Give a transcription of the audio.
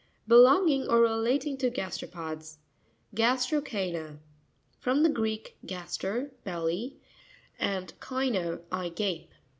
—Belonging or re lating to gasteropods. Gas'TRocH&£ NA.— From the Greek, gasier, belly, and chaind, I gape.